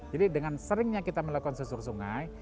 jadi dengan seringnya kita melakukan susur sungai